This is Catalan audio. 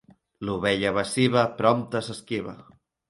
L'ovella baciva prompte s'esquiva.